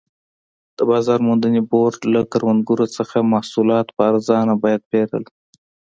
د بازار موندنې بورډ له کروندګرو څخه محصولات په ارزانه بیه پېرل.